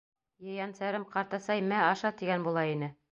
Ейәнсәрем, ҡартәсәй, мә аша, тигән була ине.